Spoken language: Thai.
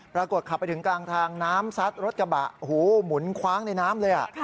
ปรากฏขับไปถึงกลางทางน้ำซัดรถกระบะโอ้โหหมุนคว้างในน้ำเลย